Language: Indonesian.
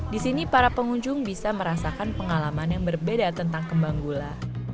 di sini para pengunjung bisa merasakan pengalaman yang berbeda tentang kembang gula